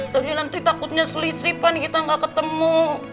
jadi nanti takutnya selisipan kita gak ketemu